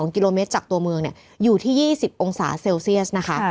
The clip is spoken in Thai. ๒กิโลเมตรจากตัวเมืองอยู่ที่๒๐องศาเซลเซียสนะคะ